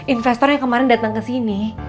investor yang kemarin datang ke sini